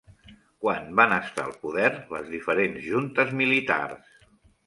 Quan van estar al poder les diferents juntes militars?